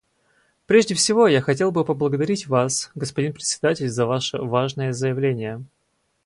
Прежде всего я хотел бы поблагодарить Вас, господин Председатель, за Ваше важное заявление.